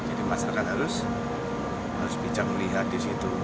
jadi masyarakat harus bijak melihat di situ